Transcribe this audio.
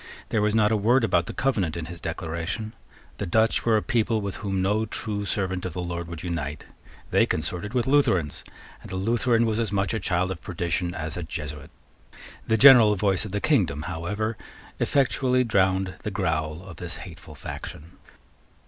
There was not a word about the Covenant in his Declaration. The Dutch were a people with whom no true servant of the Lord would unite. They consorted with Lutherans; and a Lutheran was as much a child of perdition as a Jesuit. The general voice of the kingdom, however, effectually drowned the growl of this hateful faction.